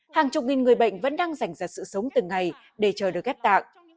hàng chục nghìn người bệnh vẫn đang giành ra sự sống từng ngày để chờ được ghép tạng